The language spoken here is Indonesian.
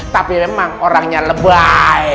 tapi memang orangnya lebay